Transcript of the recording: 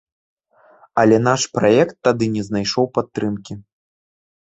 Але наш праект тады не знайшоў падтрымкі.